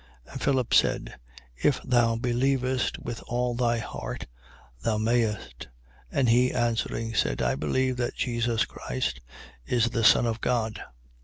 8:37. And Philip said: If thou believest with all thy heart, thou mayest. And he answering, said: I believe that Jesus Christ is the Son of God.